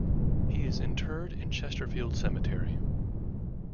He is interred in Chesterfield Cemetery.